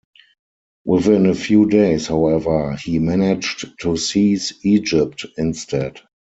Within a few days, however, he managed to seize Egypt instead.